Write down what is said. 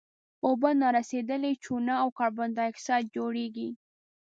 اوبه نارسیدلې چونه او کاربن ډای اکسایډ جوړیږي.